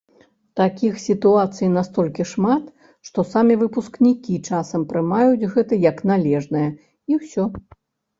Такіх сітуацый настолькі шмат, што самі выпускнікі часам прымаюць гэта як належнае, і ўсё.